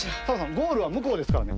ゴールはむこうですからね。